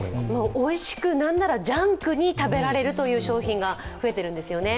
おいしく、なんならジャンクに食べられるという商品が増えているんですよね。